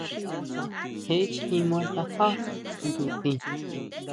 Je kjima tajá nyutin.